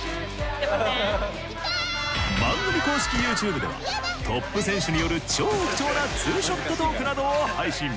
番組公式ＹｏｕＴｕｂｅではトップ選手による超貴重な２ショットトークなどを配信。